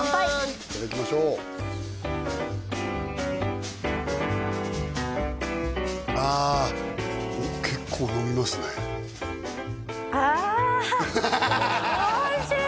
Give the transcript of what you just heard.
いただきましょうあおっ結構飲みますねああおいしい！